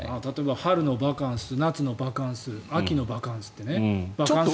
例えば、春のバカンス夏のバカンス秋のバカンスって。